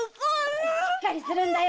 しっかりするんだよ！